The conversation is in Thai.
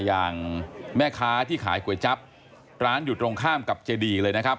อย่างแม่ค้าที่ขายก๋วยจั๊บร้านอยู่ตรงข้ามกับเจดีเลยนะครับ